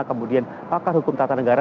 kemudian pakar hukum tata negara